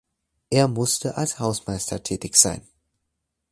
Er musste als Hausmeister tätig sein.